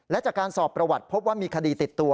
และจากการสอบประวัติพบว่ามีคดีติดตัว